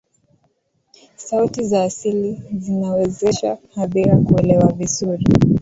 sauti za asili zinawezesha hadhira kuelewa vizuri